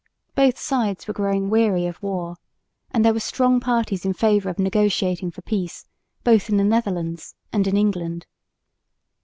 Both sides were growing weary of war; and there were strong parties in favour of negotiating for peace both in the Netherlands and in England.